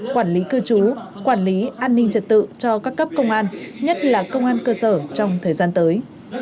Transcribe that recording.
quản lý cư trú quản lý an ninh trật tự cho các cấp công an nhất là công an cơ sở trong thời gian tới